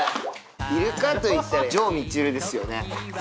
イルカといったら城みちるですよね。